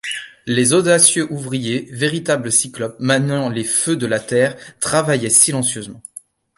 Les audacieux ouvriers, véritables cyclopes maniant les feux de la terre, travaillaient silencieusement.